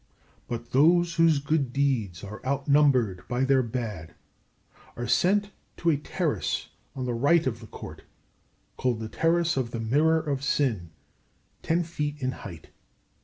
But those whose good deeds are outnumbered by their bad are sent to a terrace on the right of the Court, called the Terrace of the Mirror of Sin, ten feet in height.